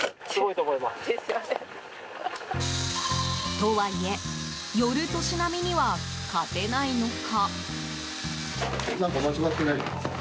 とはいえ寄る年波には勝てないのか。